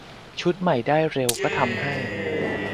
ชุดใหม่ได้เร็วก็ทำให้